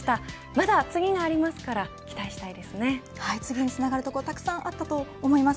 まだ次がありますから次につながるところたくさんあったと思います。